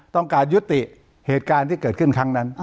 ต้องการยุติเหตุการณ์ที่เกิดขึ้นครั้งนั้น